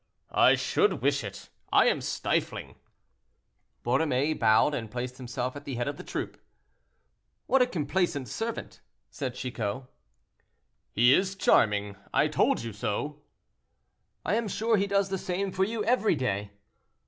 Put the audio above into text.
"I should wish it, I am stifling." Borromée bowed and placed himself at the head of the troop. "What a complaisant servant," said Chicot. "He is charming, I told you so." "I am sure he does the same for you every day."